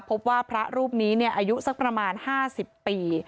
พบว่าพระรูปนี้อายุสักประมาณ๕๐ปี